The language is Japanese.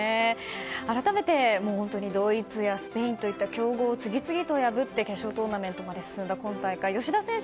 改めて、ドイツやスペインといった強豪を次々と破って決勝トーナメントまで進んだ今大会、吉田選手